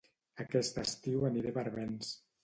Aquest estiu aniré a Barbens